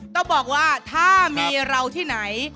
ต้องบอกว่าถ้ามีเราที่ไหน